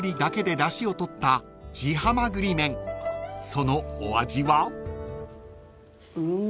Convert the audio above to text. ［そのお味は？］